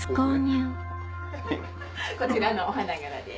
こちらのお花柄で。